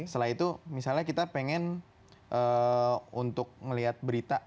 setelah itu misalnya kita pengen untuk melihat berita